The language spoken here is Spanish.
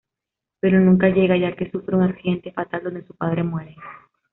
Pero nunca llega ya que sufre un accidente fatal donde su padre muere.